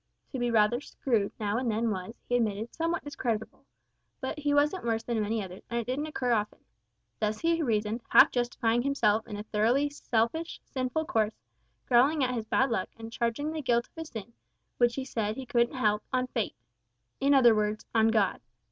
To be rather "screwed" now and then was, he admitted, somewhat discreditable; but he wasn't worse than many others, and it didn't occur often. Thus he reasoned, half justifying himself in a thoroughly selfish, sinful course; growling at his "bad luck," and charging the guilt of his sin, which he said he couldn't help, on Fate in other words, on God.